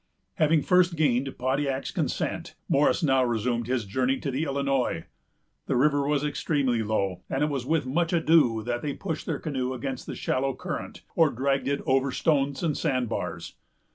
Having first gained Pontiac's consent, Morris now resumed his journey to the Illinois. The river was extremely low, and it was with much ado that they pushed their canoe against the shallow current, or dragged it over stones and sandbars.